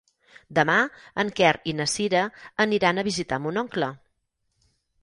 Demà en Quer i na Cira aniran a visitar mon oncle.